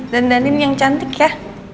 dendanin yang cantik ya